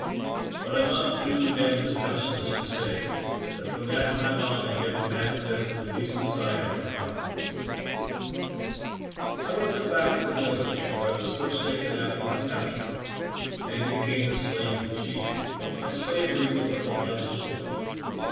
But I must do them the justice to say that from that time on they never manifested the least desire to harm me. CAPTURED BY CANNIBALS. 61 *'Iwas sent back to the village where I was first taken after my capture, and became the slave of the chief, but my slavery was of the lightest sort.